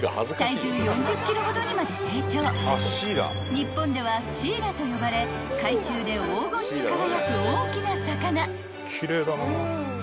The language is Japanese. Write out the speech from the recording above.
［日本ではシイラと呼ばれ海中で黄金に輝く大きな魚］